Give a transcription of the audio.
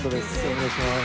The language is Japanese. お願いします。